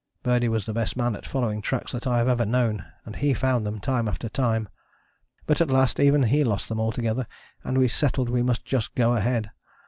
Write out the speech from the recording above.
Birdie was the best man at following tracks that I have ever known, and he found them time after time. But at last even he lost them altogether and we settled we must just go ahead.